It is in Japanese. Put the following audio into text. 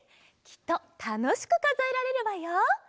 きっとたのしくかぞえられるわよ。